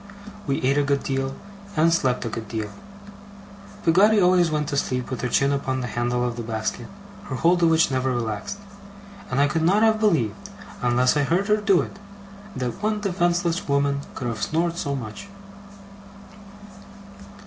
We ate a good deal, and slept a good deal. Peggotty always went to sleep with her chin upon the handle of the basket, her hold of which never relaxed; and I could not have believed unless I had heard her do it, that one defenceless woman could have snored so much.